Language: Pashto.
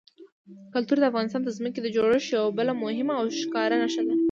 کلتور د افغانستان د ځمکې د جوړښت یوه بله مهمه او ښکاره نښه ده.